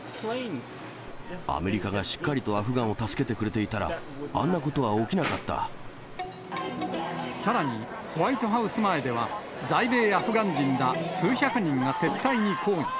アメリカがしっかりとアフガンを助けてくれていたら、あんなことさらに、ホワイトハウス前では在米アフガン人ら数百人が撤退に抗議。